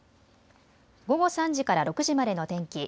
午後３時から６時までの天気。